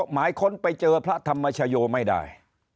หมายค้นไปเจอพระธรรมชโยไม่ได้